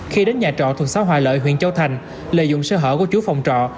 khi đến nhà trọ thuần sáu hòa lợi huyện châu thành lợi dụng sơ hở của chú phòng trọ